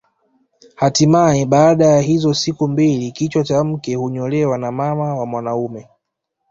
Hatimae baada ya hizo siku mbili kichwa cha mke hunyolewa na mama wa mwanaume